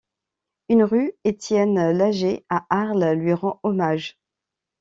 Une rue Étienne-Laget à Arles lui rend hommage.